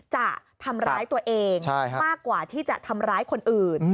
จะทำร้ายตัวเองมากกว่าที่จะทำร้ายคนอื่น